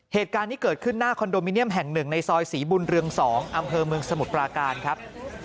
เหตุการณ์ที่เกิดขึ้นหน้าคอนโดมิเนียมแห่งหนึ่งในซอยศรีบุญเรือง๒อำเภอเมืองสมุทรปราการครับ